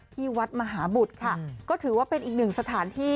ที่วัดมหาบุตรค่ะก็ถือว่าเป็นอีกหนึ่งสถานที่